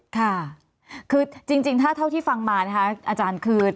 ค่ะคือจริงถ้าเท่าที่ฟังมานะคะอาจารย์คือ